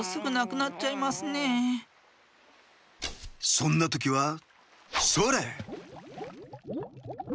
そんなときはそれ！